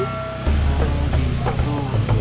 kamu di situ